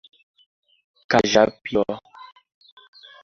Cajapió